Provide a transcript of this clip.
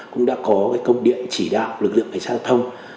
cũng đã có công điện chỉ đạo lực lượng cảnh sát giao thông